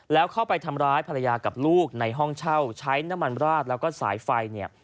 แล้วเข้าไปทำร้ายภรรยากับลูกในห้องเช่าใช้น้ำมันราดแล้วก็สายไฟเนี่ย